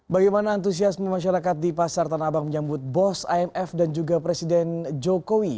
bagaimana antusiasme masyarakat di pasar tanah abang menyambut bos imf dan juga presiden jokowi